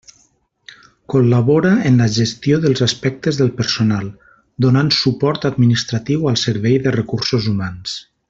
Col·labora en la gestió dels aspectes del personal, donant suport administratiu al Servei de Recursos Humans.